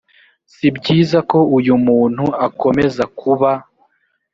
si byiza ko uyu muntu akomeza kuba